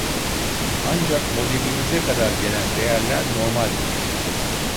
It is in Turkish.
Ancak modeminize kadar gelen değerler normaldir